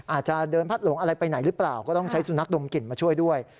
อาจจะเดินพัดหลงอะไรไปไหนหรือเปล่าก็ต้องใช้สุนัขดมกลิ่นมาช่วยด้วย